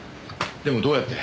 でもどうやって？